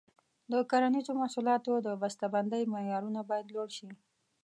د کرنیزو محصولاتو د بسته بندۍ معیارونه باید لوړ شي.